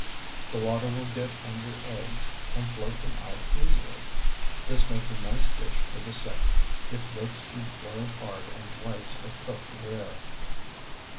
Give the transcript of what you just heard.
The water will get under eggs and float them out easily. This makes a nice dish for the sick, if yolks be boiled hard and whites are cooked rare.